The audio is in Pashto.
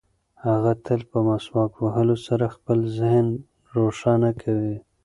هغه تل په مسواک وهلو سره خپل ذهن روښانه کوي.